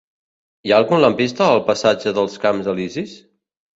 Hi ha algun lampista al passatge dels Camps Elisis?